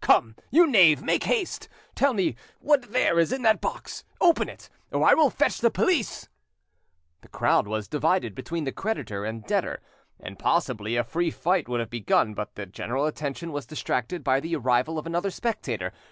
Come, you knave, make haste. Tell me what there is in that box; open it, or I will fetch the police." The crowd was divided between the creditor and debtor, and possibly a free fight would have begun, but the general attention was distracted by the arrival of another spectator.